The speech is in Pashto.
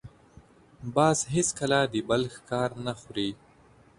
باز هېڅکله د بل ښکار نه خوري